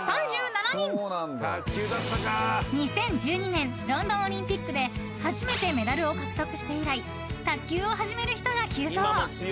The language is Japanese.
［２０１２年ロンドンオリンピックで初めてメダルを獲得して以来卓球を始める人が急増］